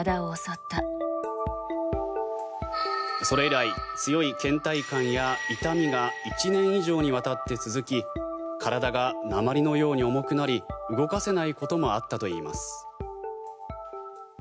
それ以来強いけん怠感や痛みが１年以上にわたって続き体が鉛のように重くなり動かせないこともあったといいます。